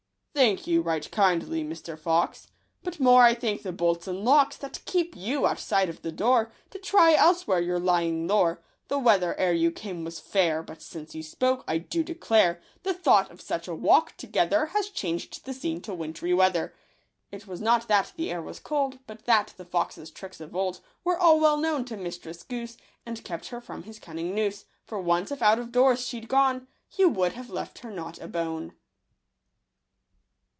—" Thank you, right kindly, Mister Fox ; But more I thank the bolts and locks That keep you outside of the door To try elsewhere your lying lore. The weather, ere you came, was fair ; But since you spoke, I do declare, The thought of such a walk together * Has changed the scene to wintry weather." It Was not that the air was cold, But that the Fox's tricks of old Were all well known to Mistress Goose, And kept her from his cunning noose. For once if out of doors she'd gone, He would have left her not a bone.